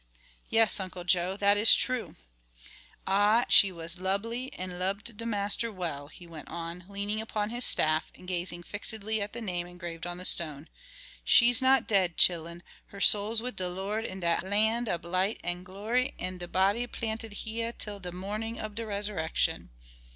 "Yes, Uncle Joe, that is true." "Ah, she was lubly an' lubbed de Master well," he went on, leaning upon his staff and gazing fixedly at the name engraved on the stone, "She's not dead, chillen: her soul's wid de Lord in dat land ob light an' glory, an' de body planted heyah till de mornin' ob de resurrection."